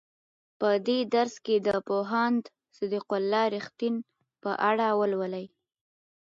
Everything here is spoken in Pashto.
په دې درس کې د پوهاند صدیق الله رښتین په اړه ولولئ.